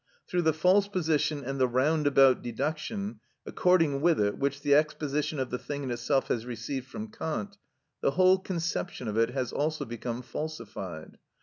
Through the false position and the roundabout deduction according with it which the exposition of the thing in itself has received from Kant, the whole conception of it has also become falsified.